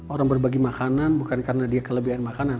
orang berbagi makanan bukan karena dia kelebihan makanan